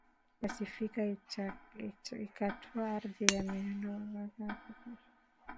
Pasifiki ikatwaa ardhi ya Maindio wazalendo ikapokea